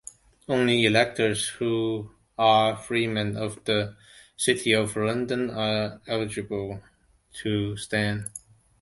Only electors who are Freeman of the City of London are eligible to stand.